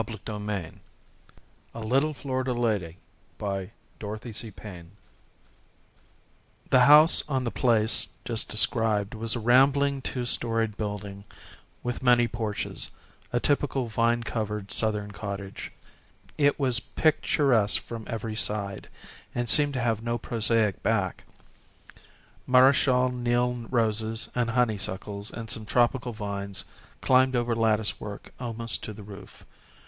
CHAPTER II The New Home The house on the place just described was a rambling two storied building with many porches a typical vine covered Southern cottage. It was picturesque from every side, and seemed to have no prosaic back. Marechal Niel roses, and honeysuckles, and some tropical vines, climbed over latticework almost to the roof.